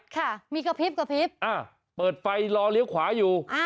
ค่ะมีกระพริบอ้าเปิดไฟรอเลี้ยวขวาอยู่